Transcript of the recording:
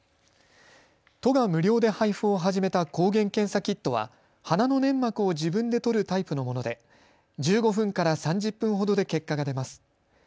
都が無料で配布を始めた抗原検査キットは鼻の粘膜を自分でとるタイプのもので１５分から３０分ほどで結果が出ます。